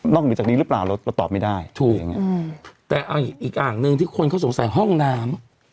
นอกจากนี้รึเปล่าเราตอบไม่ได้ถูกอืมแต่เอาอีกอ่างหนึ่งที่คนเขาสงสัยห้องน้ำ